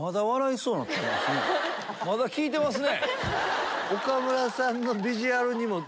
まだ効いてますね。